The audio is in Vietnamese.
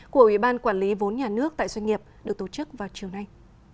của ủy ban quản lý vốn nhà nước tại doanh nghiệp được tổ chức vào chiều nay